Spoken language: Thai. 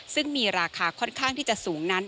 ซึ่งมีราคาค่อนข้างที่จะสูงนั้น